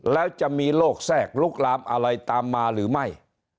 แล้วจะมีโรคแทรกลุกลามอะไรตามมาหรือไม่